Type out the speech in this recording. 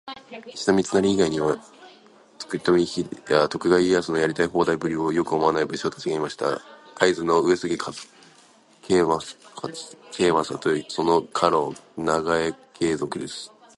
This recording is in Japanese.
石田三成以外にも、徳川家康のやりたい放題ぶりをよく思わない武将達がいました。会津の「上杉景勝」とその家老「直江兼続」です。